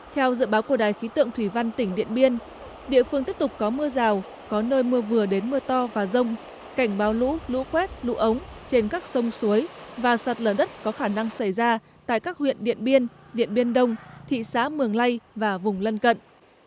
theo dự báo của đài khí tượng thủy văn tỉnh điện biên địa phương tiếp tục có mưa rào có nơi mưa vừa đến mưa to và rông cảnh báo lũ lũ quét lũ ống trên các sông suối và sạt lở đất có khả năng xảy ra tại các huyện điện biên điện biên đông thị xã mường lây và vùng lân cận